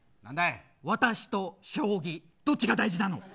私と将棋どっちが大事なの。